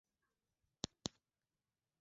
Utupaji salama wa vijusi vilivyoporomosha mimba